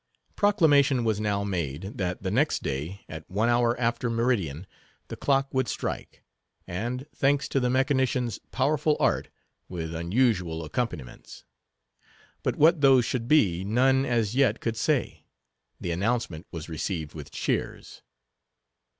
Proclamation was now made, that the next day, at one hour after meridian, the clock would strike, and—thanks to the mechanician's powerful art—with unusual accompaniments. But what those should be, none as yet could say. The announcement was received with cheers.